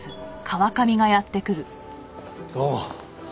どうも。